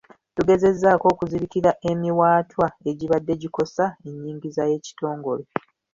Tugezezzaako okuzibikira emiwaatwa egibadde gikosa ennyingiza y’ekitongole.